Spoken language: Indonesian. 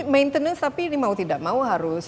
maintenance tapi ini mau tidak mau harus